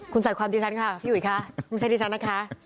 คุณสัตว์ความดีฉันค่ะพี่อุ๋ยค่ะ